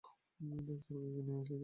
দেখ তর জন্য কি নিয়ে এসেছি।